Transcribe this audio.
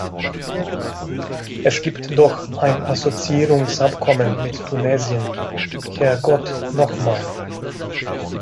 Es gibt doch ein Assoziierungsabkommen mit Tunesien, Herrgott noch mal!